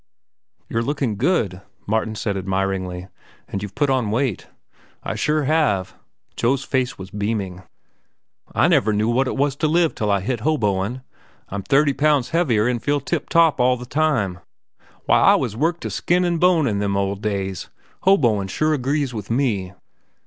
"You're looking good," Martin said admiringly, "and you've put on weight." "I sure have." Joe's face was beaming. "I never knew what it was to live till I hit hoboin'. I'm thirty pounds heavier an' feel tiptop all the time. Why, I was worked to skin an' bone in them old days. Hoboin' sure agrees with me."